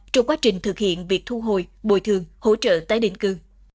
trong quá trình thực hiện việc thu hồi bồi thường hỗ trợ tái định cư